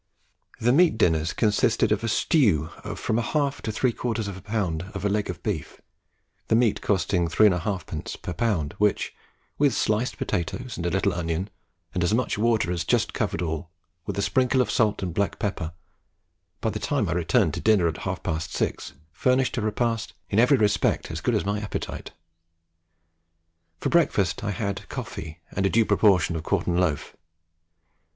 The meat dinners consisted of a stew of from a half to three quarters of a lb. of leg of beef, the meat costing 3 1/2d. per lb., which, with sliced potatoes and a little onion, and as much water as just covered all, with a sprinkle of salt and black pepper, by the time I returned to dinner at half past six furnished a repast in every respect as good as my appetite. For breakfast I had coffee and a due proportion of quartern loaf.